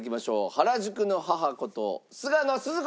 原宿の母こと菅野鈴子さんです。